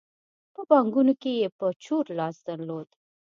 په بانکونو کې یې په چور لاس درلود.